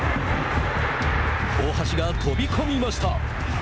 大橋が飛び込みました。